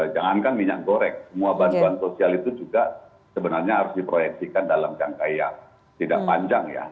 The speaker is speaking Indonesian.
jangankan minyak goreng semua bantuan sosial itu juga sebenarnya harus diproyeksikan dalam jangka yang tidak panjang ya